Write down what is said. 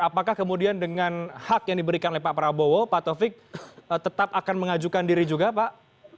apakah kemudian dengan hak yang diberikan oleh pak prabowo pak taufik tetap akan mengajukan diri juga pak